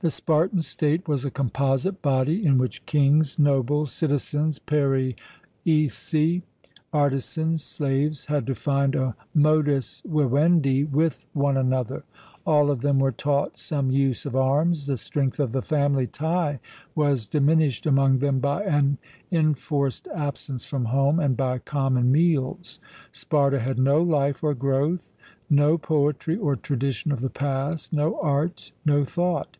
The Spartan state was a composite body in which kings, nobles, citizens, perioeci, artisans, slaves, had to find a 'modus vivendi' with one another. All of them were taught some use of arms. The strength of the family tie was diminished among them by an enforced absence from home and by common meals. Sparta had no life or growth; no poetry or tradition of the past; no art, no thought.